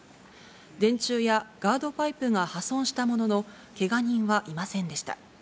電柱やガードパイプが破損したものの、けが人はいませんでした。